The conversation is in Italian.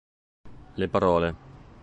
Le parole.